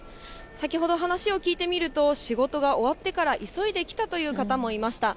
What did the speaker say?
先ほど話を聞いてみると、仕事が終わってから急いで来たという方もいました。